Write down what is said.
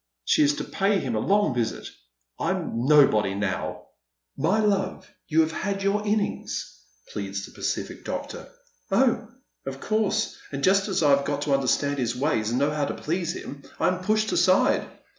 She is to pay him a long visit. I'm nobody now." "My love, you have had your innings," pleads the pacific doctor. " Oh, of course, and just as I have got to understand his ways and know how to please him I am pushed aside."